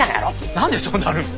なんでそうなるの？